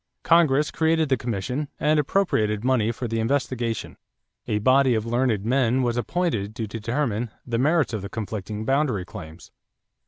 Congress created the commission and appropriated money for the investigation; a body of learned men was appointed to determine the merits of the conflicting boundary claims.